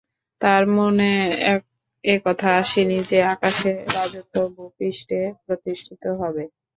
তার মনে একথা আসেনি যে, আকাশের রাজত্ব ভূপৃষ্ঠে প্রতিষ্ঠিত হবে।